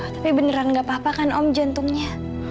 tapi beneran gak apa apa kan om jantungnya